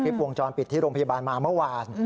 วงจรปิดที่โรงพยาบาลมาเมื่อวาน